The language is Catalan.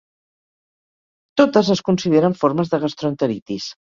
Totes es consideren formes de gastroenteritis.